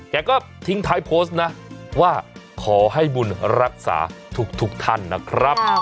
แกก็ทิ้งท้ายโพสต์นะว่าขอให้บุญรักษาทุกท่านนะครับ